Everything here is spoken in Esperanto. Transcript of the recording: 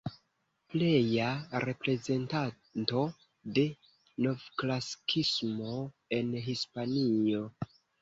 Pleja reprezentanto de novklasikismo en Hispanio.